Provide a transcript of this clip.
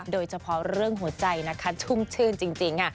โดยเฉพาะเรื่องหัวใจนะคะชุ่มชื่นจริงค่ะ